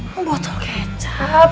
emang botol kecap